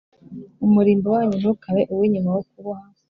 Umurimbo wanyu ntukabe uw inyuma wo kuboha